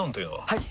はい！